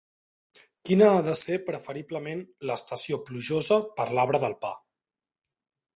Quina ha de ser preferiblement l'estació plujosa per l'arbre del pa?